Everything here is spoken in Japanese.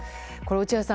落合さん